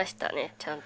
ちゃんと。